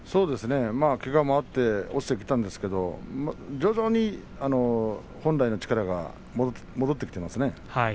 けがもあって落ちてきたんですが徐々に本来の力が戻ってきていますね。